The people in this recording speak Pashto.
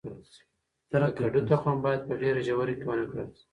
د کدو تخم باید په ډیره ژوره کې ونه کرل شي.